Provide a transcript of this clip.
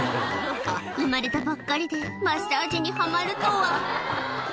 産まれたばっかりで、マッサージにはまるとは。